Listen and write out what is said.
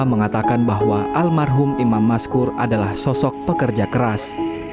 mengatakan bahwa almarhum imam maskur adalah sosok pekerja keras